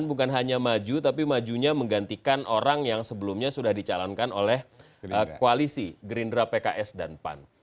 dan bukan hanya maju tapi majunya menggantikan orang yang sebelumnya sudah dicalankan oleh koalisi gerindra pks dan pan